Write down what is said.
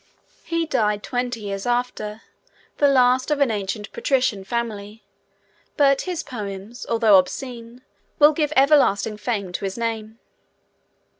He died twenty years after, the last of his ancient patrician family, but his poems, although obscene, will give everlasting fame to his name.